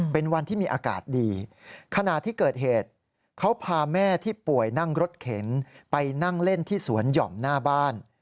เป็นวันที่มีอากาศดีขณะที่เกิดเหตุเขาพาแม่ที่ป่วยนั่งรถเข็นไปนั่งเล่นที่สวนหย่อมหน้าบ้าน